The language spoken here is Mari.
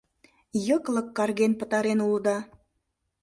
Йыклык карген пытарен улыда.